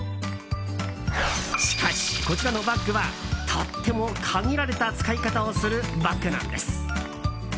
しかし、こちらのバッグはとっても限られた使い方をするバッグなんです。